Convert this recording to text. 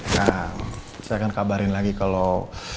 nah saya akan kabarin lagi kalau